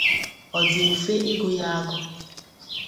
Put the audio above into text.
ọ dị mfe ịgụ ya agụ.